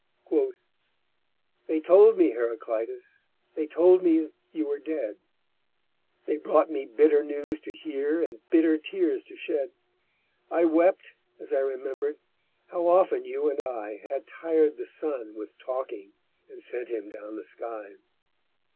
_They told me, Heraclitus, they told me you were dead; They brought me bitter news to hear and bitter tears to shed I wept, as I remembered, how often you and I Had tired the sun with talking and sent him down the sky.